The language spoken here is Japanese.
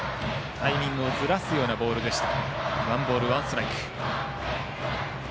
タイミングをずらすようなボールでした。